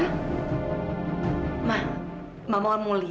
ma mau liat drama kehancuran juling